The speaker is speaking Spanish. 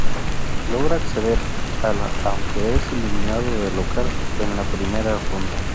Logra acceder a la aunque es eliminado de local en la primera ronda.